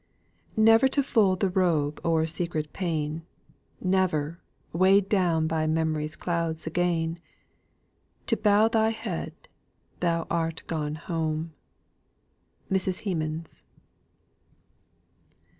"Never to fold the robe o'er secret pain, Never, weighed down by memory's clouds again, To bow thy head! Thou art gone home!" MRS. HEMANS.